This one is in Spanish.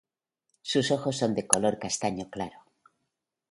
Sus ojos son de color castaño claro.